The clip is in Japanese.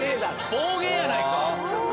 暴言やないか！